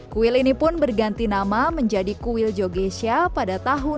kuil ini pun berganti nama menjadi kuil jogesia pada tahun seribu sembilan ratus lima puluh empat